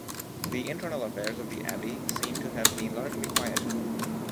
The internal affairs of the abbey seem to have been largely quiet.